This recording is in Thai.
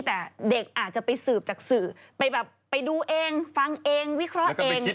แต่เด็กอาจจะไปสืบจากสื่อไปแบบไปดูเองฟังเองวิเคราะห์เอง